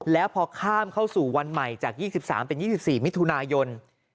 แล้วพอข้ามเข้าสู่วันใหม่จาก๒๓เป็น๒๔มิถุนายน